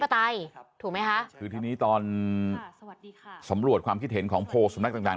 ปฏิถูกไหมคะคือที่นี้ตอนสำรวจความคิดเห็นของโพสนักทาง